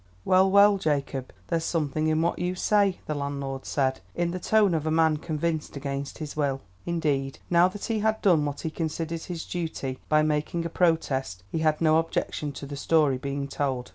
"Well, well, Jacob, there's something in what you say," the landlord said, in the tone of a man convinced against his will; but, indeed, now that he had done what he considered his duty by making a protest, he had no objection to the story being told.